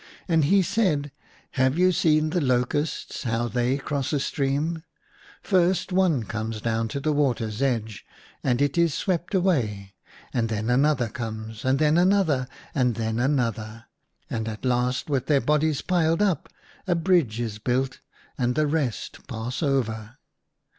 And he said, " Have you seen the locusts how they cross a stream } First one comes down to the water edge, and it is swept away, and then another comes and then another, and then another, and at last with their bodies piled up a bridge is built and the rest pass over."